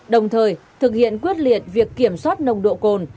đồng thời thực hiện quyết liệt việc kiểm soát nồng độ cồn